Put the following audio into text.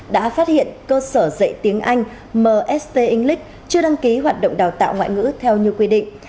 đã phát hiện cơ sở dạy tiếng anh mst englis chưa đăng ký hoạt động đào tạo ngoại ngữ theo như quy định